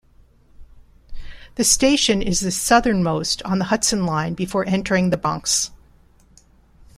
The station is the southernmost on the Hudson Line before entering The Bronx.